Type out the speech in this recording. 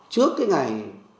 trước cái ngày